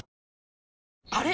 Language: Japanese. あれ？